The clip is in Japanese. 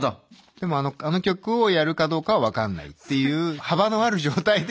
でもあの曲をやるかどうかは分かんないっていう幅のある状態で。